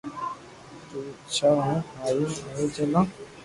تو جا ھون ھاپو آوي جاو